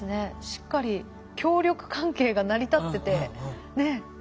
しっかり協力関係が成り立っててねえ。